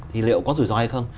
thì liệu có rủi ro hay không